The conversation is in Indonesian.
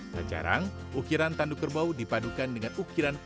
tak jarang ukiran tanduk kerbau dipadukan dengan ukiran